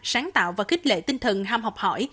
sáng tạo và khích lệ tinh thần ham học hỏi